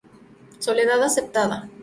Soledad acepta.